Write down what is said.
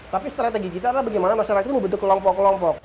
tapi strategi kita adalah bagaimana masyarakat itu membentuk kelompok kelompok